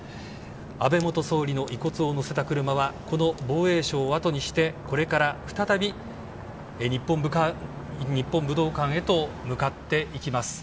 安倍元総理の遺骨を載せた車はこの防衛省をあとにしてこれから再び日本武道館へと向かっていきます。